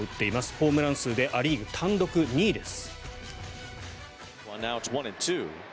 ホームラン数でア・リーグ単独２位です。